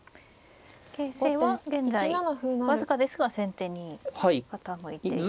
形勢は現在僅かですが先手に傾いています。